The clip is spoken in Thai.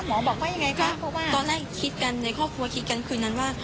หมอบอกว่ายังไงคะเพราะว่าตอนแรกคิดกันในครอบครัวคิดกันคืนนั้นว่า